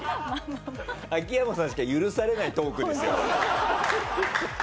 秋山さんしか許されないトークですよね。